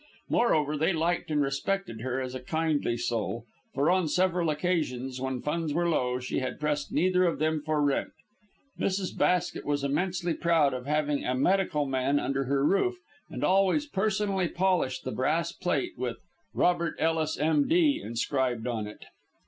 Moreover, they liked and respected her as a kindly soul, for on several occasions, when funds were low, she had pressed neither of them for rent. Mrs. Basket was immensely proud of having a medical man under her roof; and always personally polished the brass plate with "Robert Ellis, M.D.," inscribed on it.